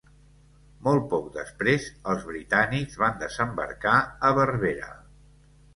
Molt poc després els britànics van desembarcar a Berbera.